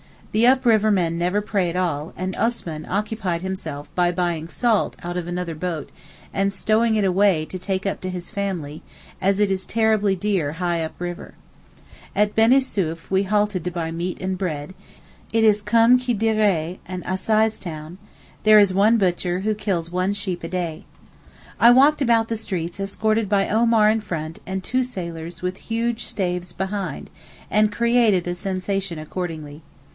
The up river men never pray at all, and Osman occupied himself by buying salt out of another boat and stowing it away to take up to his family, as it is terribly dear high up the river. At Benisouef we halted to buy meat and bread, it is comme qui dirait an assize town, there is one butcher who kills one sheep a day. I walked about the streets escorted by Omar in front and two sailors with huge staves behind, and created a sensation accordingly.